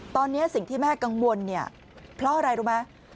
ตอนนี้สิ่งที่แม่กังวลเนี่ยเพราะอะไรรู้ไหม